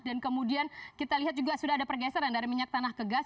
dan kemudian kita lihat juga sudah ada pergeseran dari minyak tanah ke gas